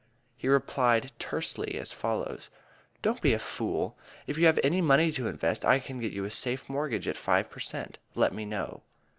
He replied tersely as follows: "Don't be a fool. If you have any money to invest I can get you a safe mortgage at five per cent. Let me know."